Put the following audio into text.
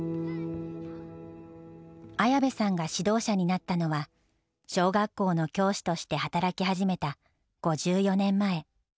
綾部さんが指導者になったのは小学校の教師として働き始めた５４年前。